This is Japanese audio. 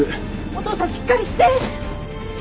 お父さんしっかりして！